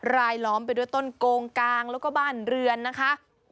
ล้อมไปด้วยต้นโกงกางแล้วก็บ้านเรือนนะคะ